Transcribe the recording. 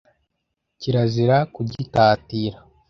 kirazira kugitatira